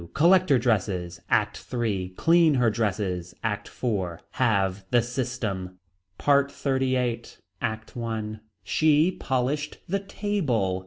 Collect her dresses. ACT III. Clean her dresses. ACT IV. Have the system. PART XXXVIII. ACT I. She polished the table.